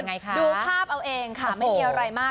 ดูภาพเอาเองค่ะไม่มีอะไรมาก